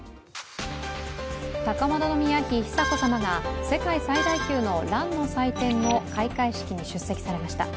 高円宮妃・久子さまが世界最大級のランの祭典の開会式に出席されました。